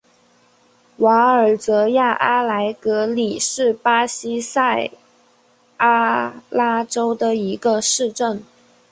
瓦尔泽亚阿莱格里是巴西塞阿拉州的一个市镇。